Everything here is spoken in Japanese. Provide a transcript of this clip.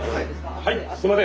はいすいません。